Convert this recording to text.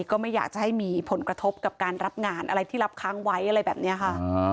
ก็ไม่อยากจะให้มีผลกระทบกับการรับงานอะไรที่รับค้างไว้อะไรแบบนี้ค่ะ